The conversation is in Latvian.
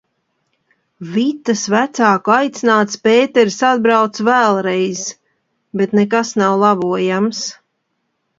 Vitas vecāku aicināts Pēteris atbrauc vēlreiz, bet nekas nav labojams.